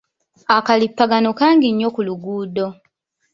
Akalippagano kangi nnyo ku luguudo.